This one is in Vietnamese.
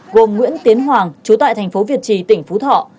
gồm nguyễn tiến hoàng chú tại thành phố việt trì tỉnh phú thọ